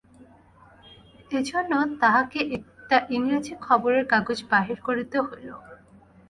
এইজন্য তাঁহাকে একটা ইংরেজি খবরের কাগজ বাহির করিতে হইল।